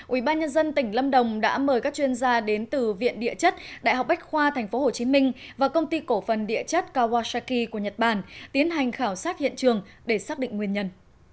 ubnd tỉnh lâm đồng đã mời các chuyên gia đến từ viện địa chất đại học bách khoa tp hcm và công ty cổ phần địa chất kawasaki của nhật bản tiến hành khảo sát hiện trường để xác định nguyên nhân